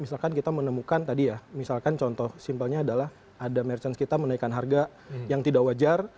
misalkan kita menemukan tadi ya misalkan contoh simpelnya adalah ada merchant kita menaikkan harga yang tidak wajar